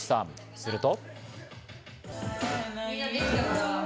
すると。